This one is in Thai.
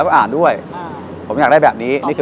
ถ่ายโปรดิสเซอร์